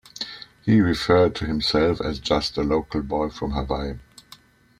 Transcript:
He referred to himself as just a local boy from Hawaii.